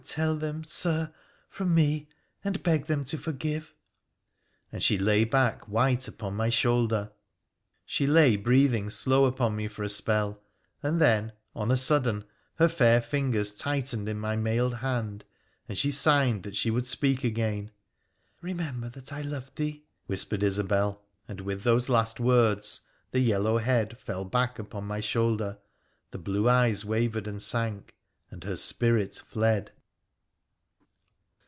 tell them, Sir, from me — and beg them to forgive !' And she lay back white upon my shoulder. She lay, breathing slow, upon me for a spell, then, on a sudden, her fair fingers tightened in my mailed hand, and she signed that she would speak again. ' Remember that I loved thee !' whispered Isobel, and, with those last words, the yellow head fell back upon my shoulder, the blue eyes wavered and sank, and her spirit fled.